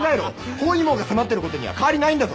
包囲網が迫ってることには変わりないんだぞ！